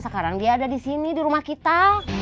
sekarang dia ada di sini di rumah kita